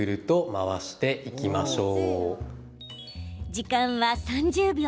時間は３０秒。